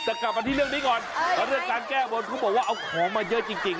แต่กลับมาที่เรื่องนี้ก่อนเรื่องการแก้บนเขาบอกว่าเอาของมาเยอะจริง